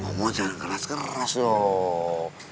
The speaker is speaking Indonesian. ngomong jangan keras keras loh